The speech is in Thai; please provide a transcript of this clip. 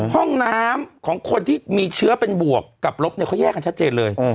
ห้องน้ำของคนที่มีเชื้อเป็นบวกกับลบเนี่ยเขาแยกกันชัดเจนเลย